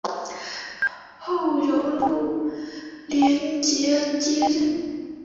后由陆联捷接任。